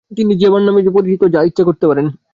তিনি জেবার নামে পরিচিত যা তার নামের লাতিন সংস্করণ।